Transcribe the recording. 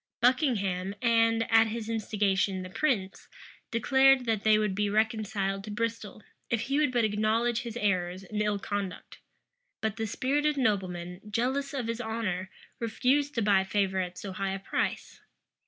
Buckingham, and, at his instigation, the prince, declared that they would be reconciled to Bristol, if he would but acknowledge his errors and ill conduct: but the spirited nobleman, jealous of his honor, refused to buy favor at so high a price.